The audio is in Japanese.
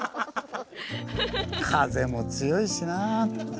「風も強いしな。